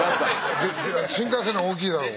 新幹線のが大きいだろう。